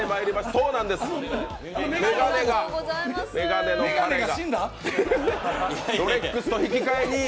そうなんです、眼鏡の彼が。